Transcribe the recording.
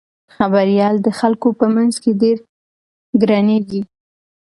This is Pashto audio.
خبریال د خلکو په منځ کې ډېر ګرانیږي.